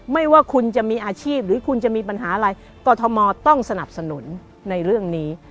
ไม่ว่าคุณจะมีอาชีพหรือคุณจะมีปัญหาอะไรกรทมต้องสนับสนุนในเรื่องนี้